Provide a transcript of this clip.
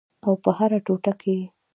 او په هره ټوټه کې یې